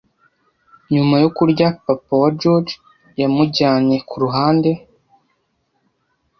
Nyuma yo kurya, papa wa George yamujyanye ku ruhande.